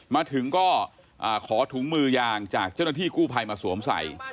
มาถึงก็ขอถุงมือยางจากเจ้าหน้าที่กู้ภัยมาสวมใส่